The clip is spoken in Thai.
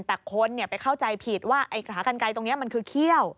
แต่คนไปเข้าใจผิดว่าไอ้ขากันไกลตรงนี้มันคือเขี้ยว